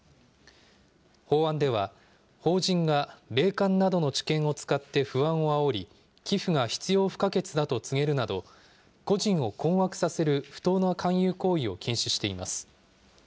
法案では、法人が霊感などの知見を使って不安をあおり、寄付が必要不可欠だと告げるなど、個人を困惑させる不当な勧誘行為を禁止しています。